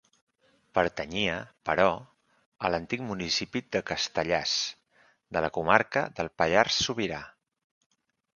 Pertanyia, però, a l'antic municipi de Castellàs, de la comarca del Pallars Sobirà.